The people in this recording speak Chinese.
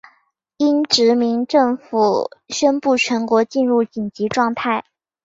英殖民政府宣布全国进入紧急状态。